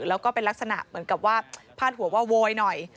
แล้วก็เป็นลักษณะเหมือนกับว่าพาดหัวว่าโวยหน่อย